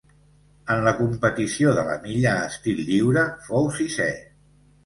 En la competició de la milla estil lliure fou sisè.